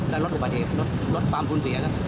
ได้ลดอุปสรรคลดปลาไฟท์ลดทุนเสีย